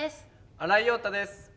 新井庸太です。